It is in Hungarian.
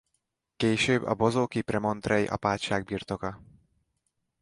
Később a bozóki premontrei apátság birtoka.